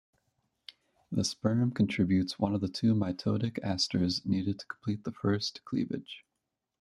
The sperm contributes one of the two mitotic asters needed to complete first cleavage.